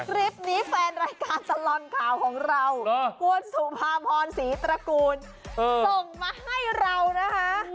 คลิปนี้แฟนรายการตลอดข่าวของเราคุณสุภาพรศรีตระกูลส่งมาให้เรานะคะ